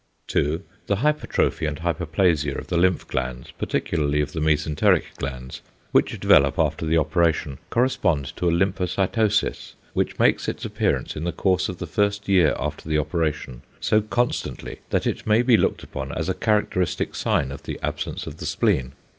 2. The hypertrophy and hyperplasia of the lymph glands, particularly of the mesenteric glands, which develop after the operation correspond to a =lymphocytosis=, which makes its appearance in the course of the first year after the operation so constantly that it may be looked upon as a =characteristic sign of the absence of the spleen=.